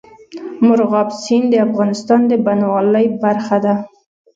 مورغاب سیند د افغانستان د بڼوالۍ برخه ده.